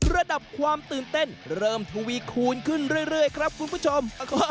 ระดับความตื่นเต้นเริ่มทวีคูณขึ้นเรื่อยครับคุณผู้ชม